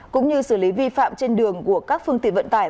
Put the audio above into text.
cũng như xử lý vi phạm trên đường của các phương tiện vận tải